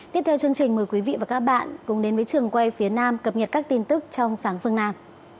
tiếp theo chương trình mời quý vị và các bạn cùng đến với trường quay phía nam cập nhật các tin tức trong sáng phương nam